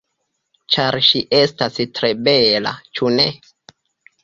Ĉar ŝi estas tre bela, ĉu ne?